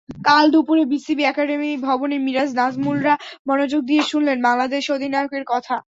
কাল দুপুরে BCB academy ভবনে মিরাজ-নাজমুলরা মনোযোগ দিয়ে শুনলেন বাংলাদেশ অধিনায়কের কথা।